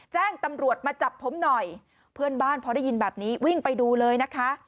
แจ้งตำรวจมาจับผมหน่อยเพื่อนบ้านพอได้ยินแบบนี้วิ่งไปดูเลยนะคะ